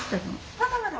まだまだ。